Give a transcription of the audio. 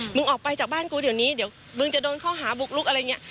มึงออกไปจากบ้านกูเดี๋ยวนี้เดี๋ยวมึงจะโดนข้อหาบุกลุกอะไรอย่างนี้